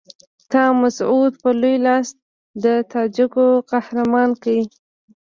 تا مسعود په لوی لاس د تاجکو قهرمان کړ.